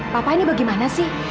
papa ini bagaimana sih